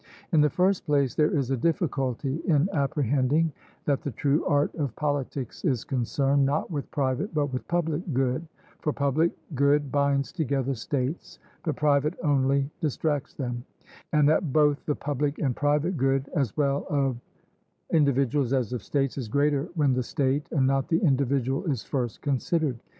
In the first place, there is a difficulty in apprehending that the true art of politics is concerned, not with private but with public good (for public good binds together states, but private only distracts them); and that both the public and private good as well of individuals as of states is greater when the state and not the individual is first considered.